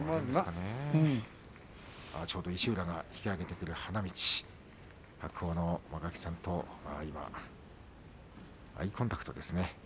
ちょうど石浦が引き揚げてくる花道、白鵬の間垣さんとアイコンタクトですね